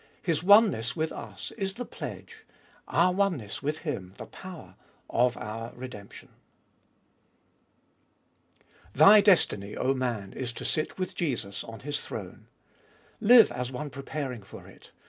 His oneness with us is the pledge, our oneness with Him the power, of our redemption. 7. Thy destiny, 0 man, is to sit with Jesus on His throne. Live as one preparing for it.